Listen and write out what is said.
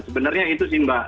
sebenarnya itu sih mbak